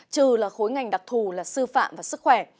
trừ là khối ngành đặc thù là sư phạm và sức khỏe